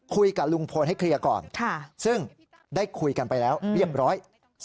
คุยกับลุงพลให้เคลียร์ก่อนซึ่งได้คุยกันไปแล้วเรียบร้อย